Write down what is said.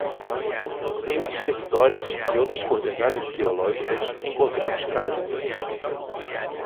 Em outros territórios e outras coordenadas ideológicas, encontramos casos semelhantes.